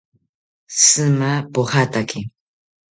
Shima pojataki